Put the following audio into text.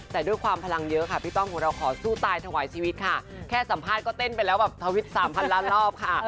แต่ด้วยความพลังเยอะค่ะพี่ต้อมของเราขอสู้ตายถวายชีวิตค่ะแค่สัมภาษณ์ก็เต้นไปแล้วแบบทวิตสามพันล้านรอบค่ะ